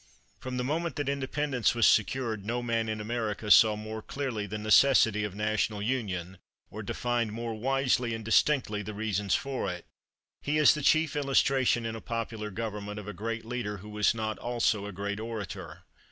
From the moment that independence was secured no man in America saw more clearly the necessity of national union, or defined more wisely and distinctly the reasons for it. He is the chief illustration in a popular government of a great leader who was not also a great orator.